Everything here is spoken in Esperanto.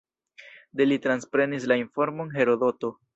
De li transprenis la informon Herodoto.